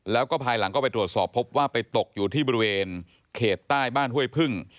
แล้วก็ภายหลังก็ไปตรวจสอบพบว่าไปตกอยู่ที่บริเวณเขตใต้บ้านห้วยพึ่ง